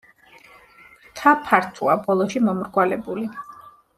ფრთა ფართოა, ბოლოში მომრგვალებული.